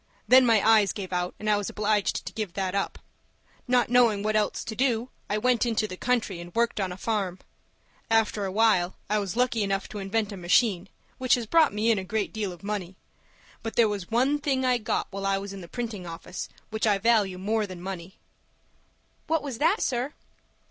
Then my eyes gave out and I was obliged to give that up. Not knowing what else to do, I went into the country, and worked on a farm. After a while I was lucky enough to invent a machine, which has brought me in a great deal of money. But there was one thing I got while I was in the printing office which I value more than money." "What was that, sir?"